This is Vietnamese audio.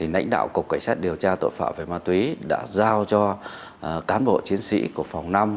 lãnh đạo cục cảnh sát điều tra tội phạm về ma túy đã giao cho cán bộ chiến sĩ của phòng năm